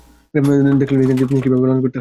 দেখলে রীতিনীতি কীভাবে পালন করতে হয়।